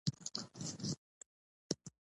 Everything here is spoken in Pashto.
دا بیک غټ دی.